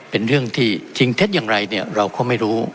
เป็นเรื่องที่จริงเท็จอย่างไรเนี่ยเราก็ไม่รู้